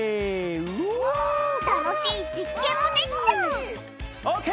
楽しい実験もできちゃう！